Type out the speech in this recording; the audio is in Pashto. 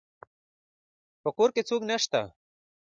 په کور کې څوک نشته